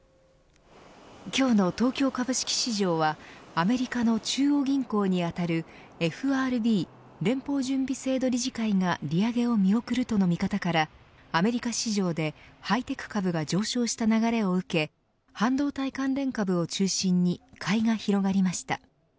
今日の東京株式市場はアメリカの中央銀行にあたるＦＲＢ、連邦準備制度理事会が利上げを見送るとの見方からアメリカ市場でハイテク株が上昇した流れを受け半導体関連株を中心に買いが広がりました。